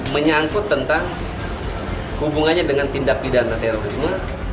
menyangkut tentang hubungannya dengan tindak pidana terorisme